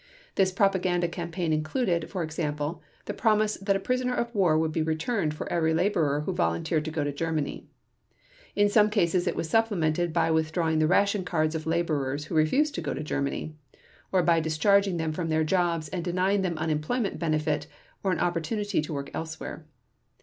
This propaganda campaign included, for example, the promise that a prisoner of war would be returned for every laborer who volunteered to go to Germany. In some cases it was supplemented by withdrawing the ration cards of laborers who refused to go to Germany, or by discharging them from their jobs and denying them unemployment benefit or an opportunity to work elsewhere.